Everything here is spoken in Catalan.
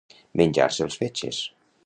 Menjar-se els fetges.